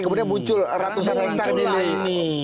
kemudian muncul ratusan ratusan tanah ini